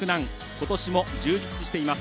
ことしも充実しています。